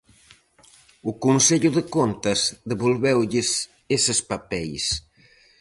O Consello de Contas devolveulles eses papeis.